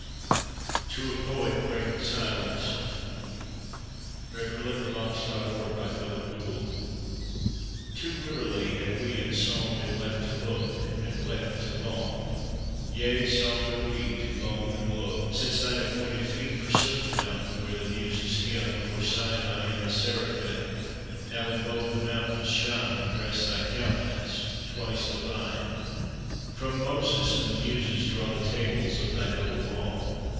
d draws me down their soundless intricacies! TO A POET BREAKING SILENCE Too wearily had we and song Been left to look and left to long, Yea, song and we to long and look, Since thine acquainted feet forsook The mountain where the Muses hymn For Sinai and the Seraphim. Now in both the mountains' shine Dress thy countenance, twice divine! From Moses and the Muses draw The Tables of thy double Law!